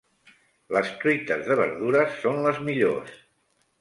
Les truites de verdures són les millors.